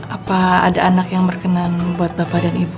apa ada anak yang berkenan buat bapak dan ibu